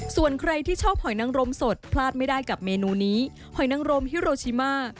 ส่วนใครที่ชอบหอยนังรมสดพลาดไม่ได้กับเมนูนี้หอยนังรมฮิโรชิมา